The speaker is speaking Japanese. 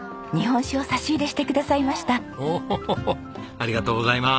ありがとうございます。